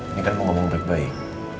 ini kan mau ngomong baik baik